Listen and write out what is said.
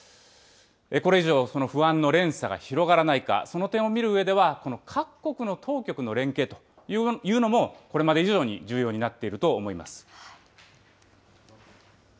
これ以上、その不安の連鎖が広がらないか、その点を見るうえで、各国の当局の連携というのも、これまで以上に重要になっていると思います。